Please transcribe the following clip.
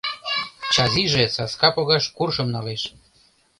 Чазиже саска погаш куршым налеш.